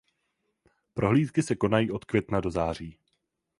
Prohlídky se konají od května do září.